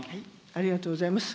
ありがとうございます。